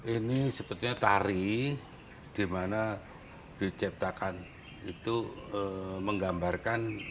ini sepertinya tari dimana diciptakan itu menggambarkan